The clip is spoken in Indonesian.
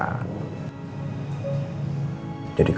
ya aku kangen aja sama edrien